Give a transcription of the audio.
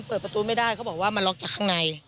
เปิดประตูไม่ได้เขาบอกว่ามันล็อกจากข้างใน